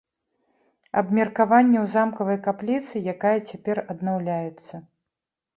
Абмеркаванне ў замкавай капліцы, якая цяпер аднаўляецца.